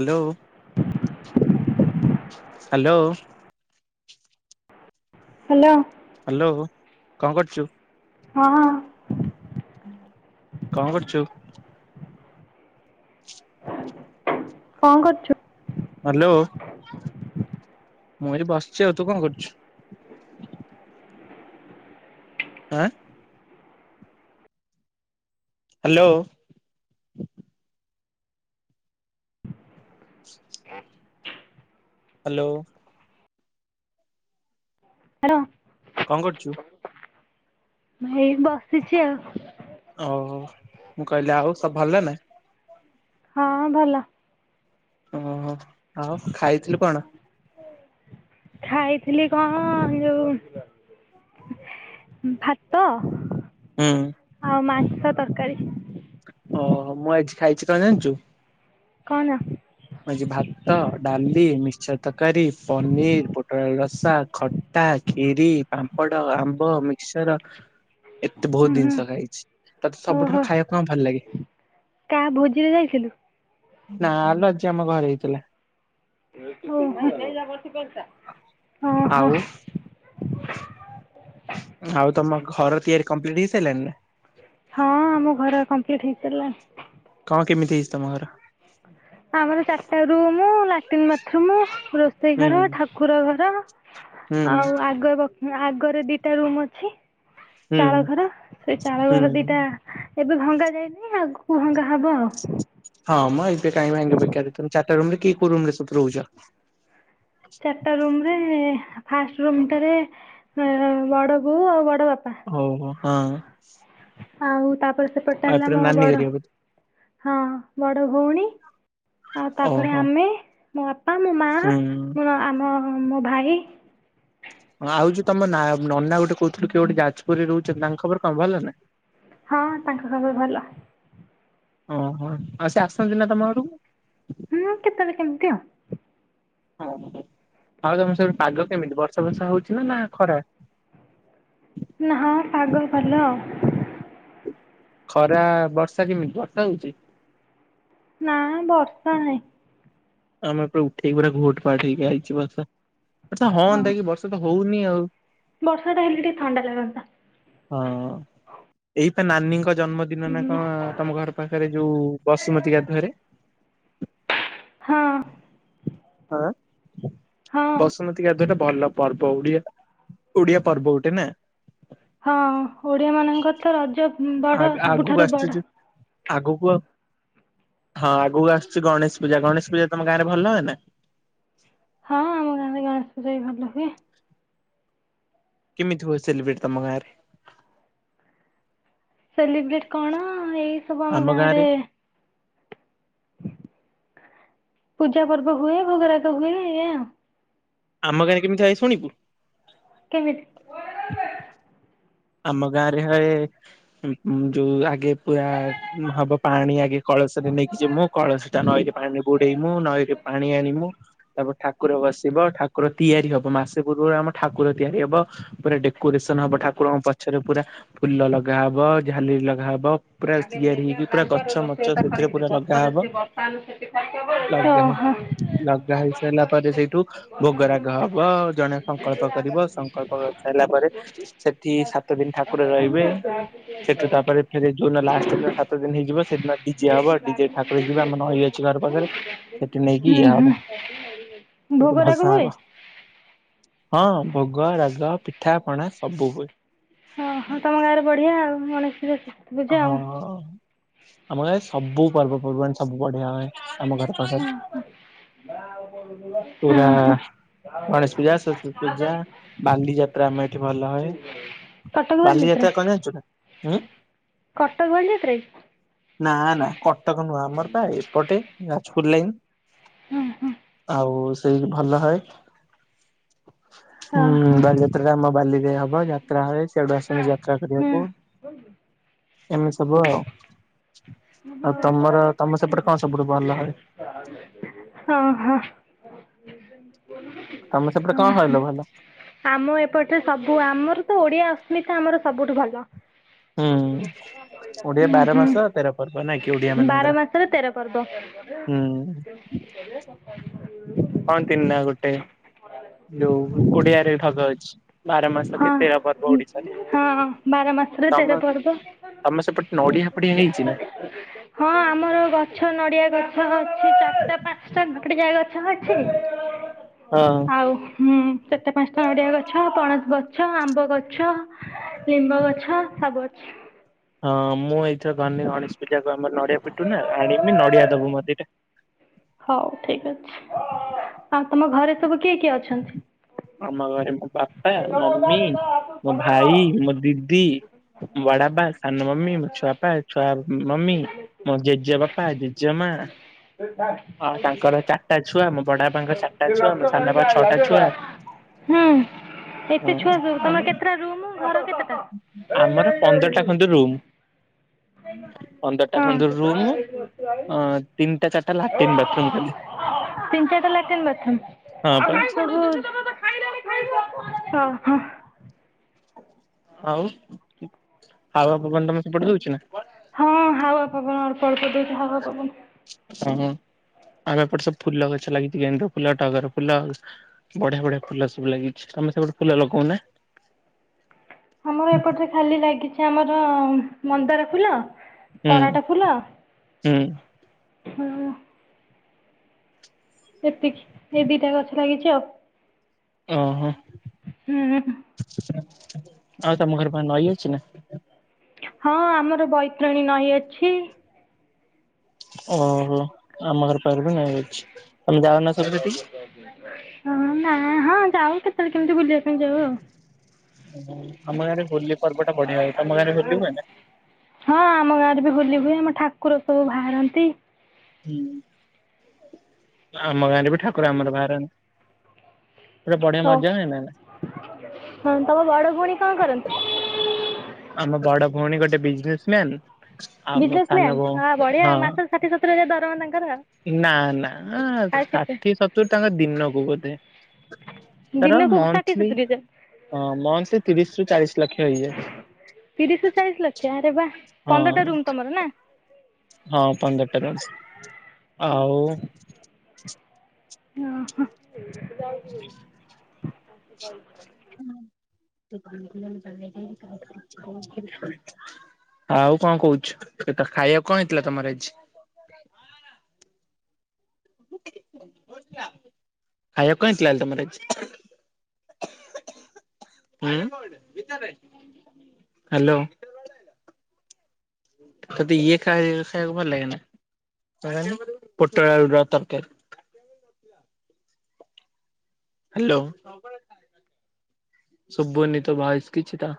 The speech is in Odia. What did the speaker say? ହାଲୋ ହାଲୋ ହାଲୋ ହାଲୋ କଣ କରୁଛୁ? ହଁ କଣ କରୁଛୁ? କଣ କରୁଛୁ? ହାଲୋ ମୁଁ ଏଠି ବସିଛି ଆଉ, ତୁ କଣ କରୁଛୁ? ଆଁ ହାଲୋ ହାଲୋ ହାଲୋ କଣ କରୁଛୁ? ହେଇ ବସିଛି ଆଉ। ଓହୋ, ମୁଁ କହିଲି ଆଉ ସବୁ ଭଲ ନା। ହଁ ଭଲ। ଓହୋ, ଆଉ ଖାଇଥିଲୁ କଣ? ଖାଇଥିଲି କଣ ଯୋଉ ଭାତ ହୁଁ ଆଉ ମାଂସ ତରକାରୀ। ଓହୋ, ମୁଁ ଆଜି ଖାଇଛି କଣ ଜାଣିଛୁ? କଣ? ମୁଁ ଆଜି ଭାତ, ଡାଲି, ମିକ୍ସଚର ତରକାରୀ, ପନିର, ପୋଟଳ ଆଳୁ ରସା ଖ ତା, ଖିରି, ପାମ୍ପଡ, ଆମ୍ବ, ମିକ୍ସଚର ଏତେ ହୁଁ ଭୋହୁତ ହୁଁ। ଦିନିଷ ଖାଇଛି। ତତେ ଓହୋ। ସବୁଠାରୁ ଖାଇବାକୁ କଣ ଭଲଲାଗେ? କାହା ଭୋଜିରେ ଯାଇଥିଲୁ? ନା ଲୋ ଆଜି ଆମ ଘରେ ହେଇଥିଲା। ଓହୋ ଓହୋ। ହ ଆଉ ତମ ଘର ତିଆରି କମ୍ପ୍ଲିଟ୍ ହେଇସାଇଲାଣି ନା। ହଁ ଆମ ଘର କମ୍ପ୍ଲିଟ ହେଇସାରିଲାଣି। କଣ କେମିତି ହେଇଛି ତମ ଘର? ଆମର ଚାରିଟା ରୁମ୍ ଲାଟିନ୍ ମାଥରୁମ ରୋଷେଇ ହୁଁ ଘର ଠାକୁର ଘର ହୁଁ ଆଉ ଆଗ ବଖ ଆଗରେ ଦିଟା ରୁମ୍ ଅଛି। ହୁଁ ଚାଳ ଘର ସେଇ ଚାଳ ଘର ହୁଁ। ଦିଟା ଏବେ ଭଙ୍ଗା ଯାଇନି ଆଗକୁ ଭଙ୍ଗା ହବ ଆଉ ହଁ ମାଁ ଏବେ କାଇଁ ଭାଙ୍ଗିବେ ବେକାର ତମ ଚାରଟା ରୁମ ରେ କି କୋଉ ରୁମ ରେ ସବୁ ରହୁଛ ଚାରିଟା ରୁମ ରେ ଫାଷ୍ଟ ରୁମ ଟାରେ ବଡ ବୋଉ ଆଉ ବଡ ବାପା ହଉ ହଉ ହଁ ଆଉ ତାପରେ ସେପଟେ ହେଲା ଏପଟେ ମୋ ନାନୀ ବଡ ଘରିକା ବୋଧେ ହଁ ବଡ ଭଉଣୀ ଆଉ ଓହୋ ତାପରେ ହୁଁ। ଆମେ ମୋ ବାପା ମୋ ମା ମ ଆମ ମୋ ଭାଇ ଆଉ ଯୋଉ ତମ ନା ନନା ଗୋଟେ କହୁଥିଲୁ କିଏ ଗୋଟେ ଯାଜପୁରରେ ରହୁଛନ୍ତି ତାଙ୍କ ଖବର କଣ ଭଲ ନା ହଁ ତାଙ୍କ ସବୁ ଭଲ। ଓହୋ ଆଉ ସେ ଆସନ୍ତି ନା ତମ ଆଡକୁ ହୁଁ କେତେବେଳେ କେମିତି ଆଉ ହଁ ଆଉ ତମ ସିଆଡେ ପାଗ କେମିତି ବର୍ଷା ବର୍ଷା ହଉଛି ନା ନା ଖରା ନା ହଁ ପାଗ ଭଲ ଖରା ବର୍ଷା କେମିତି ବର୍ଷା ହଉଛି ନା ବର୍ଷା ନାହିଁ ଆମେ ପୁରା ଉଠେଇକି ପୁରା ଘୋଟ ଫାଟ ହେଇକି ଆଇଛି ବର୍ଷ ବର୍ଛ ହଁ ହୁନ୍ତା କି ବର୍ଷା ତ ହଉନି ଆଉ ବର୍ଷା ଟା ହେଲେ ଟିକେ ଥଣ୍ଡା ଲାଗନ୍ତା ହଁ ଏଇପା ନାନୀଙ୍କ ଜନ୍ମ ଦିନ ନା କଣ ତମ ଘର ପାଖରେ ଯୋଉ ବସୁମତି ଗାଧରେ ହଁ ଆଁ ହଁ। ବସୁମତୀ ଗାଧୁଆ ଗୋଟେ ଭଲ ପର୍ବ ଓଡିଆ ଓଡିଆ ପର୍ବ ଗୋଟେ ନା ହଁ ଓଡିଆ ମାନଙ୍କର ତ ରଜ ଆ ବଡ ଆଗକୁ ସବୁଠାରୁ ଆସୁଛି ବଡ ଯୋଉ ଆଗକୁ ଆ ହଁ ଆଗକୁ ଆସୁଛି ଗଣେଶ ପୂଜା ଗଣେଶ ପୂଜା ତମ ଗାଁ ରେ ଭଲ ହୁଏ ନା ହଁ ଆମ ଗାଁରେ ଗଣେଷ ପୂଜା ବି ଭଲ ହୁଏ। କେମିତି ହୁଏ ସେଲିବ୍ରେଟ୍ ତମ ଗାରେ ସେଲିବ୍ରେଟ କଣ ଏଇ ସବୁ ଆମ ଗାଁ ରେ ପୂଜା ପର୍ବ ହୁଏ ଭୋଗରାଗ ହୁଏ ଏୟା ଉ ଆମ ଗାଁ ରେ କେତିଇ ଶୁଣିବୁ କେମିତି ଆମ ଗାଁରେ ହଏ ଯୋଉ ଆଗେ ପୁରା ହବ ପାଣି ଆଗେ କଳସରେ ନେଇକି ଯ ମୁଁ କଳସୀଟ ନଈରେ ପାଣି ବୁଡେଇମୁ ନଈରେ ପାଣି ଆଣମୁ ତାପରେ ଠାକୁର ବସିବ ଠାକୁର ତିଆରି ହବ ମାସେ ପୂର୍ବରୁ ଆମ ଠାକୁର ତିଆରି ହବ ପୁରା ଡେକୋରେସନ ହବ ଠାକୁରଙ୍କ ପଛରେ ପୁରା ଫୁଲ ଲଗାହବ ଝାଲିରି ଲଗାହବ ପୁରା ତିଆରି ହେଇକି ପୁରା ଗଛ ମଛ ସେଥିରେ ପୁରା ଲଗାହବ ଲଗା ଓହୋ ଲଗା ହେଇ ସାରିଲା ପରେ ସେଇଠୁ ଭୋଗ ରାଗ ହବ ଜଣେ ସଂକଳ୍ପ କରିବ ପ୍ରକଳ୍ପ ହେଇ ସାରିଲଲା ପରେ ସେଠି ସାତ ଦିନ ଠାକୁର ରହିବେ ସେଠୁ ତାପରେ ସେ ଯଉ ଲାଷ୍ଟ ଦିନ ସାତ ଦିନ ହେଇଯିବ ସେଦିନ ଡିଜେ ହବ ଡିଜେ ଠାକୁର ଯିବେ ଆମ ନଈ ଅଛି ଘର ପାଖରେ ନେଇ ହୁଁ ଇଏ ହବ୍ ହୁଁ କି ମୁ ତ ଭୋଗରାଗ ହୁଏ ଭସାହବ ହଁ ଭୋଗ ରାଗ ପିଠା ପଣା ସବୁ ହୁଏ। ଓଁ ହଁ ତମ ଗାଁରେ ବଢିଆ ଆଉ ମଣିଷ ବେ ହଁ ଆମ ଘରେ ସବୁ ପର୍ବପର୍ବାଣିୀ ସବୁ ବଢିଆ ହେ ଆମ ଘରେ ହଁ ହ ହଁ ପୁରା ହ ଗଣେଶ ପୂଜା, ସରସ୍ଵତୀ ପୂଜା, ବାଲି ଯାତ୍ରା ଆମେ ଏଠି ଭଲ ହଏ। କଟକ ବାଲିଯାତ୍ରା ବାଲିଯାତା କଣ ଜାଣିଚୁ ନା କଟକ [inaudible] ନା ନା କଟକ ନୁହଁ ଆମର ତା ଏପଟେ ଯାଜପୁର ଲାଇନ ହଁ ହଁ ଆଉ ସେଇ ଭଲ ହଏ ହୁଁ। ହଁ ହଁ ବାଲିଯାତ୍ରା ଟା ଆମ ବାଲିରେ ହବ। ଯାତ୍ରା ହଏ ସେଆଡୁ ଆସନୁ ଯାତ୍ରା କରିବାକୁ [inaudible] ଏମିତି ସବୁ ଆଉ [inaudible] ଆଉ ତମର ତମ ସେପଟେ କଣ ସବୁଠୁ ଭଲ ହଏ? ଓ ହୋ ତମ ସେପଟେ କଣ ହଏଲ ଭଲ? ଆମ ଏପଟରେ ସବୁ ଆମର ତ ଓଡିଆ ଅସ୍ମିତା। ଆମର ସବୁଠୁ ଭଲ। ହୁଁ। [inaudible] ଓଡିଆ ବାର ମାସ ତେର ପର୍ବ ନାଇଁ। କି ଓଡିଆ ବାର ମାନଙ୍କର ମାସରେ ତେର ପର୍ଦ ହୁଁ। କଣ ତିନ ନା ଗୋଟେ [inaudible] ଯୋଉ ଓଡିଆରେ ଧଗ ଅଛି। ବାର ମାସ କେ ହଁ ତେର ପର୍ବ ଓଡିଶାରେ ହଁ ବାର ମାସରେ [inaudible] ତେର ତମ ପର୍ବ ତମେ ସେପଟେ ନଡିଆ ଏପଟେ ହେଇଛି ନା? ହଁ ଆମର ଗଛ ନଡିଆ ଗଛ ଅଛି। ଚାରିଟା ପାଞ୍ଚଟା ଗୋଟେ ଗଛ ଅଛି ହଁ। [inaudible] ଆଉ ହୁଁ କେତେ ପାଞ୍ଚଟା ନଡିଆ ଗଛ ପଣସ ଗଛ ଆମ୍ବ ଗଛ [inaudible] ଲିମ୍ବ ଗଛ, ସବୁ ଅଛି। ହଁ। ମୁଁ ଏଇଥର ଗନି ଗଣେଶ ପୂଜାକୁ ଆମର ନଡିଆ ପିଟୁ ନା ଆଣିବି ନଡିଆ ଦବୁ ମତେ ଏଟା ହଉ ଠିକ ଅଛି। ଆଉ ତମ ଘରେ ସବୁ କିଏ କିଏ ଅଛନ୍ତି? ଆମ ଘରେ ମୋ ବାପା, ସେ ମମି, [inaudible] ମୋ ଭାଇ, ମୋ ଦିଦି ବଡାପା, ସାନ ମମି, ମୋ ଛୁଆପା, ଛୁଆ ମମି, [inaudible] ମୋ ଜେଜେ ବାପା, ଜେଜେ ମା ହଁ ତାଙ୍କର ଚାରିଟା ଛୁଆ, ମୋ ବଡ ବାପାଙ୍କର ଚାରିଟା ଛୁଆ, ଲକ୍ଷ୍ୟ ମୋ ସାନ କରିକି ବାପା ଙ୍କ ଆଇଲା ଛଅଟା ଯେ ନା ଛୁଆ ହୁଁ। ହଁ ଏତେ ଛୁଆ ସବୁ ତମର କେତେଟା ରୁମ୍ ଘର କେତେଟା ଏଇ ଆମର ଏଇ [inaudible] ଏଇ ପନ୍ଦରଟା ଖଣ୍ଡେ ରୁମ୍। ପନ୍ଦର ଟା ହଁ ଖଣ୍ଡେ ନା ରୁମ ଏଇଠି ବସି ଆଇ [inaudible] ଅ ତିନଟା ଚାର ଟା ଲାଟିନ ବାଥରୁମ ଖାଲି [inaudible] ତିନି ଚାରିଟା ଲାଟ୍ରିନ୍ ବାଥରୁମ୍ ହଁ। ପା ତମର ସବୁ [inaudible] ହଁ। ହଁ। ହଉ [inaudible] ଆଉ ଆପଣ ମାନେ ତମ ସେପଟେ ଦଉଛି ନା? ହଁ। ହାୱା ପବନ ଅଳ୍ପ ଅଳ୍ପ ଦେଇଛି ହାୱା ପବନ। ହଁ। [inaudible] ଆଉ ଏପଟେ ସବୁ ଫୁଲ ଗଛ ଲାଗିଛି। ଗେଣ୍ଡୁ ଫୁଲ, ଟଗର ଫୁଲ ବଢିଆ ବଢିଆ ଫୁଲ ସବୁ ଲାଗିଛି। ତମେ ସେ ପଟେ ଫୁଲ ଲଗଉ ନା ଆମର ଏପଟ ରେ ଖାଲି ଲାଗିଛି ଆମର ମନ୍ଦାର ଫୁଲ [inaudible] ହୁଁ ତରାଟ ଫୁ ଫୁଲ ହୁଁ [inaudible] ହୁଁ। ଏତିକି [inaudible] ଏ ଦିଟା ଗଛ ଲାଗିଛି ଆଉ। ଓହୋ। ହୁଁ। [inaudible] ଆଉ ତମ ଘର ପାଇଁ ନଈ ଅଛି ନା? ହଁ ଆମର ବୈତରଣୀ ନଈ ଅଛି। ଓହୋ [inaudible] ଆମ ଘର ପାଖରେ ବି ନଈ ଅଛି। [inaudible] ତମେ ଯାାଉ ନ ସବୁ ସେଠି ହଁ ନା ହଁ ଯାଉ କେତେବେଳେ କେମିତି ବୁଲିବା ପାଇଁ ଯାଉ ଆଉ। ଓ ଆମ ଗାଁରେ ହୋଲି ପର୍ବଟା ବଢିଆ ହୁଏ। ତମ ଗାଁରେ ହୋଲି ହୁଏ ନା? [inaudible] ହଁ ଆମ ଗାଁରେ ବି ହୋଲି ହୁଏ। ଆମ ଠାକୁର ସବୁ ବାହାରନ୍ତି। ହୁଁ ଆମ ଗାଁ ରେ ବି ଠାକୁର ଆମର ବାହାରନ୍ତି। ଗୋଟେ ବଢିଆ ହଉ ମଜା ନାଇଁନା? ହଁ ତମ ବଡ ଭଉଣୀ କଣ କରନ୍ତି? ଆମ ବଡ ଭଉଣୀ ଗୋଟେ ବିଜନେସ ମ୍ୟାନ। Businessman. ବଢିଆ ମାସରେ ଷାଠି ସତୁରୀ ହଜାର ଦରମା ତାଙ୍କର ଆଉ। ନା ନା ଆଁ ଆଉ କେତେ ଷାଠିଏ ସତୁୁରୀ ତାଙ୍କ ଦିନକୁ ବୋଧେ। ତାର ଦିନକୁ ଷାଠିଏ ମନ୍ଥଲି ସତୁରି ହଜାର। ମନ୍ଥଲି ତିରିଶ ରୁ ଚାଳିଶ ଲକ୍ଷ ହେଇଯାଏ। ତିରିଶ ରୁ ଚାଳିଶ ଲକ୍ଷ ଆରେ ବା ହଁ ପନ୍ଦରଟା ରୁମ୍ ତମର ନା। ହଁ ପନ୍ଦରଟା ରୁମ। ଆଉ ଅ ହଁ ସେ ଯାଉଚି। କଲ କରିଚ। [unintelligible] ଆଉ କଣ କହୁଚୁ? ସେ ତ ଖାଇବା କଣ ହେଇଥିଲା ତମର ଆଜି? ଖାଇବାକୁ କଣ ହେଇଥିଲା ତମର ଆଜି? ହୁଁ ହାଲୋ। ତତେ ଇଏ ଖାଇ ଖାଇବାକୁ ଭଲ ଲାଗେ ନା। ପୁଟଳ ଆଳୁ ର ତରକାରି? ହାଲୋ ଶୁବୁନି ତୋ ଭଏସ୍ କିଛି ତ।